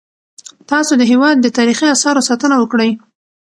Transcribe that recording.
تاسو د هیواد د تاریخي اثارو ساتنه وکړئ.